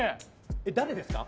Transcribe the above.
誰ですか？